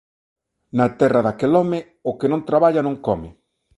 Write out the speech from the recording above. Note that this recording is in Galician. Na terra de aquel home o que non traballa non come